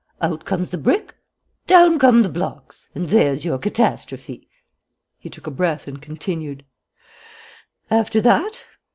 Out comes the brick, down come the blocks, and there's your catastrophe!" He took breath and continued: "After that?